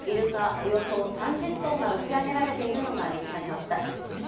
およそ３０頭が打ち上げられているのが見つかりました。